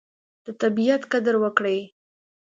د طبیعت قدر وکړئ.